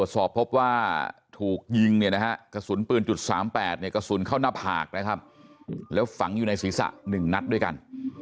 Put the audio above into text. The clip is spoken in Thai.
สอบพบว่าถูกยิงกระสุนปืนจุด๓๘กระสุนเข้าหน้าผากแล้วฝังอยู่ในศีรษะหนึ่งนัดด้วยกัน